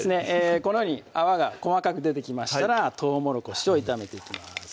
このように泡が細かく出てきましたらとうもろこしを炒めていきます